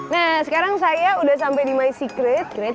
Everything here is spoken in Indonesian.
nah sekarang saya udah sampai di my secret